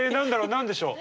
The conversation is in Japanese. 何でしょう？